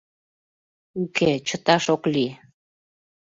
Уке, чыташ ок лий.